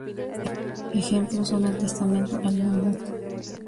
Ejemplos son el testamento, el mandato.